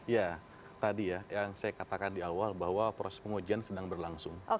ya tadi ya yang saya katakan di awal bahwa proses pengujian sedang berlangsung